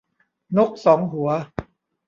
นกสองหัว